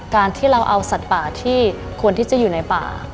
การที่เราเอาสัตว์ป่าที่ควรที่จะอยู่ในป่า